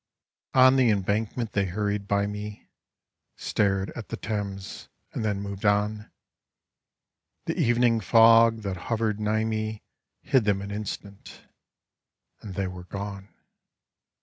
On the Embankment they hurried by me. Stared at the Thames — and then moved on ; The evening fog that hovered nigh me Hid them an instant, and they were gone.